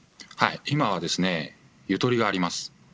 今はゆとりがあります。